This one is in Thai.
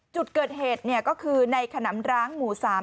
จุดเกิดเหตุเนี่ยก็คือในขนามร้างหมู่สาม